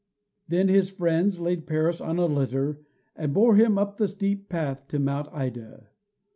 Then his friends laid Paris on a litter, and bore him up the steep path to Mount Ida.